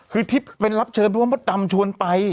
คือที่เป็นรับเชิญเพราะว่ามดดำชวนไป